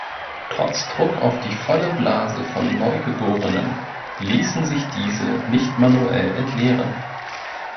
Trotz Druck auf die volle Blase von Neugeborenen ließen sich diese nicht manuell entleeren.